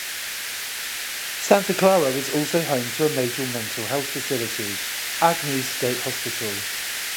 Santa Clara was also home to a major mental health facility, Agnews State Hospital.